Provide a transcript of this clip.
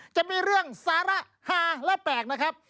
จะมีเรื่องสาระฮาและแปลกนะครับ